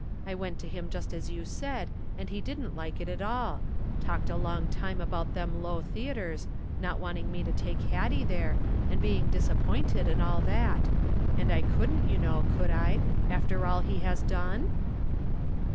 I went to him just as you said, and he didn't like it at all ; talked a long time about them low theatres, not wanting me to take Hattie there, and being dis appointed, and all that. And I couldn't, you know, could I, after all he has done